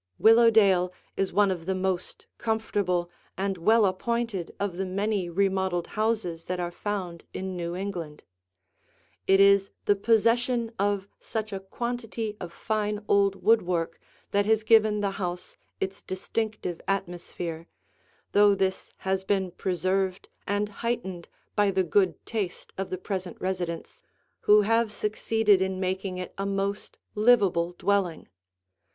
Willowdale is one of the most comfortable and well appointed of the many remodeled houses that are found in New England. It is the possession of such a quantity of fine old woodwork that has given the house its distinctive atmosphere, though this has been preserved and heightened by the good taste of the present residents, who have succeeded in making it a most livable dwelling.